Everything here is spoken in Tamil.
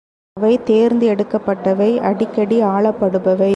அவை தேர்ந்து எடுக்கப்பட்டவை அடிக்கடி ஆளப்படுபவை.